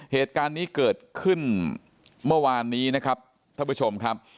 เหตุการณ์นี้เกิดขึ้นเมื่อวานนี้นะครับท่านผู้ชมครับ